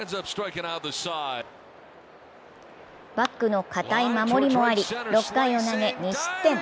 バックの堅い守りもあり、６回を投げ２失点。